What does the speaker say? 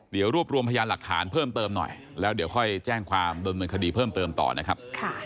เดี๋ยวรวบรวมพยานหลักฐานเพิ่มเติมหน่อยแล้วเดี๋ยวค่อยแจ้งความดำเนินคดีเพิ่มเติมต่อนะครับ